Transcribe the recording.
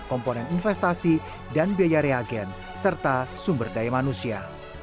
komponen investasi dan biaya reagen serta sumber daya manusia